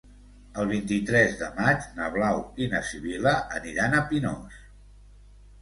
El vint-i-tres de maig na Blau i na Sibil·la aniran a Pinós.